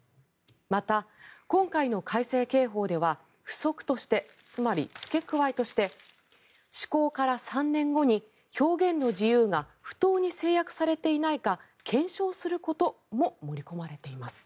また、今回の改正刑法では付則としてつまり、付け加えとして施行から３年後に表現の自由が不当に制約されていないか検証することも盛り込まれています。